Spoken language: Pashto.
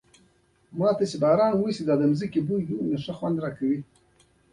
زه د باراني ورځو مینه وال یم.